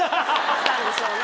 したんでしょうね。